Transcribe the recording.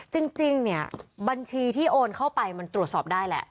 จริงเนี่ยบัญชีที่โอนเข้าไปมันตรวจสอบได้แหละ